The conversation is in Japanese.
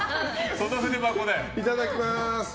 いただきます。